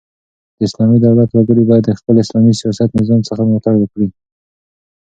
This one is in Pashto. د اسلامي دولت وګړي بايد د خپل اسلامي سیاسي نظام څخه ملاتړ وکړي.